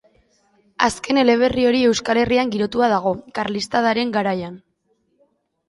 Azken eleberri hori Euskal Herrian girotua dago, karlistadaren garaian.